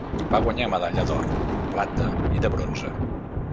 Va guanyar medalla d'or, plata i de bronze.